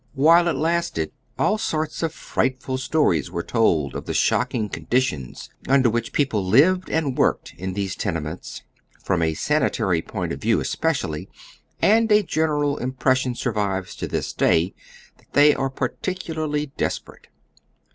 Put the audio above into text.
While it lasted, all sorts of frightful stories were told of the shocking conditions under which people lived and worked in these tenements, from a sanitary point of view especially, and a general impression survives to this day that tliey are particularly desperate.